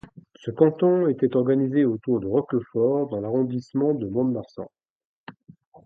Ce canton était organisé autour de Roquefort dans l'arrondissement de Mont-de-Marsan.